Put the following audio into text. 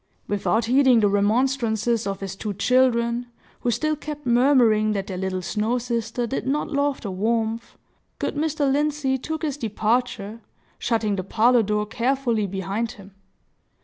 Without heeding the remonstrances of his two children, who still kept murmuring that their little snow sister did not love the warmth, good Mr. Lindsey took his departure, shutting the parlor door carefully behind him.